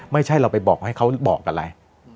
ไม่ใช่เราไปบอกให้เขาบอกอะไร